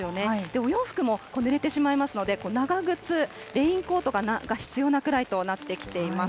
お洋服もぬれてしまいますので、長靴、レインコートが必要なくらいとなってきています。